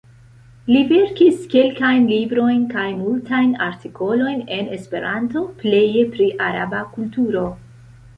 Li verkis kelkajn librojn kaj multajn artikolojn en Esperanto, pleje pri araba kulturo.